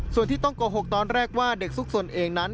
ส่วนที่ต้องโกหกตอนแรกว่าเด็กซุกสนเองนั้น